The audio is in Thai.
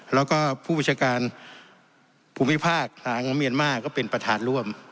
แล้วก็ผู้ประชาการภูมิภาคทหารของเมียนมาร์ก็เป็นประธานร่วม